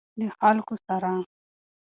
له خلکو سره.